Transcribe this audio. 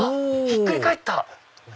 ひっくり返った！